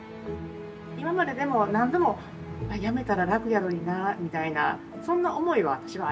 今まででも何度も「やめたら楽やろになあ」みたいなそんな思いは私はありました。